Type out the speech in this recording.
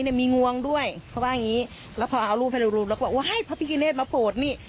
เนี่ยมีงวงด้วยเขาว่าอย่างงี้แล้วพอเอารูปให้ดูรูปแล้วก็โอ้ยพระพิกิเนธมาโปรดนี่